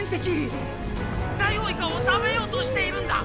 「ダイオウイカを食べようとしているんだ！」。